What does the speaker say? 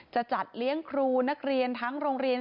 จะจัดเลี้ยงครูนักเรียนทั้งโรงเรียน